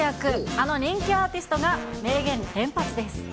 あの人気アーティストが名言連発です。